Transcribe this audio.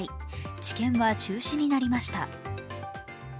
治験は中止になりました。